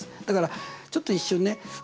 だからちょっと一瞬ね